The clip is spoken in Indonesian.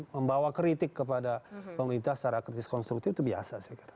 membawa kritik kepada pemerintah secara kritis konstruktif itu biasa saya kira